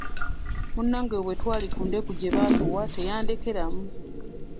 Munnange bwe twali ku ndeku gye baatuwa teyandekeramu.